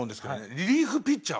リリーフピッチャー